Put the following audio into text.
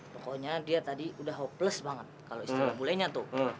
pokoknya dia tadi udah hopeless banget kalo istilah bule nya tuh